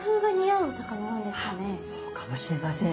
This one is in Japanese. あっそうかもしれません。